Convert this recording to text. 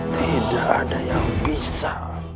tidak ada yang bisa